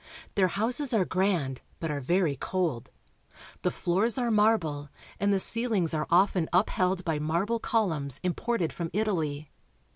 Their houses are grand, but are very cold. The floors are marble, and the ceiHngs are often upheld by marble columns im ported from Italy.